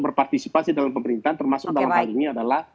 berpartisipasi dalam pemerintahan termasuk dalam hal ini adalah